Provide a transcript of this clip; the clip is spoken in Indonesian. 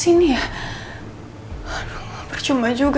itu aku japan absorbed juga